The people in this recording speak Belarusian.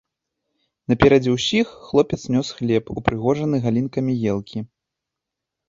Наперадзе ўсіх хлопец нёс хлеб, упрыгожаны галінкамі елкі.